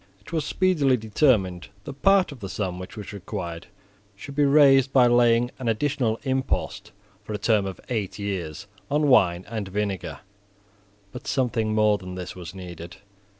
It was speedily determined that part of the sum which was required should be raised by laying an additional impost, for a term of eight years, on wine and vinegar: but something more than this was needed.